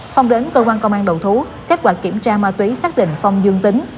phong đến cơ quan công an đầu thú kết quả kiểm tra ma túy xác định phong dương tính